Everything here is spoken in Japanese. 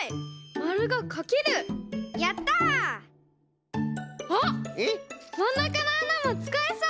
まんなかのあなもつかえそう！